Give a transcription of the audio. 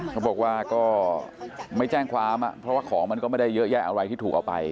เขาบอกว่าก็ไม่แจ้งความเพราะว่าของมันก็ไม่ได้เยอะแยะอะไรที่ถูกเอาไป